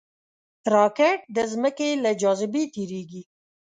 راکټ د ځمکې له جاذبې تېریږي